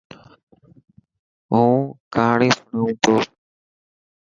هون ڪهاڻي سڻوان تو.